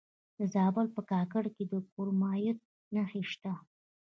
د زابل په کاکړ کې د کرومایټ نښې شته.